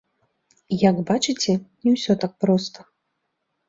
Як бачыце, не ўсё так проста.